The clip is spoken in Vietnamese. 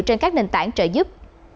trên các nền tảng trợ giúp